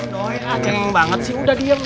doi ceng banget sih udah diem